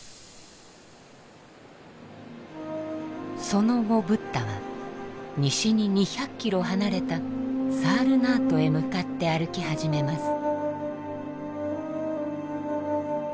その後ブッダは西に２００キロ離れたサールナートへ向かって歩き始めます。